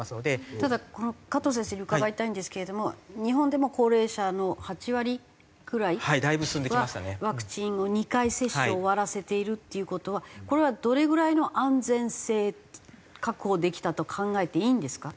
ただ加藤先生に伺いたいんですけれども日本でも高齢者の８割くらいはワクチンを２回接種を終わらせているっていう事はこれはどれぐらいの安全性確保できたと考えていいんですか？